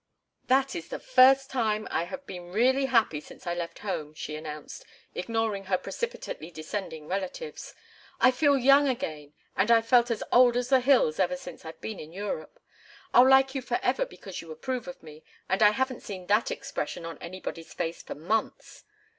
"That is the first time I have been really happy since I left home," she announced, ignoring her precipitately descending relatives. "I feel young again, and I've felt as old as the hills ever since I've been in Europe. I'll like you forever because you approve of me, and I haven't seen that expression on anybody's face for months."